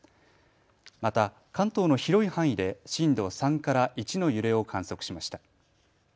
また、関東の広い範囲で震度３から１の揺れを観測しました。